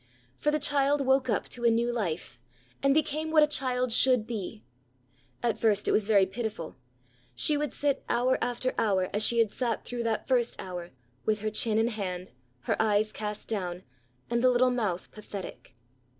For the child woke up to a new life, and became what a child should be. At first it was very pitiful. She would sit hour after hour as she had sat through that first hour, with her chin in hand, her eyes cast down, and the little mouth pathetic.